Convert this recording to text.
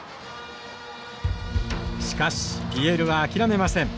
しかしＰＬは諦めません。